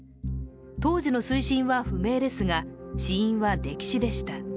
当時の水深は不明ですが、死因は溺死でした。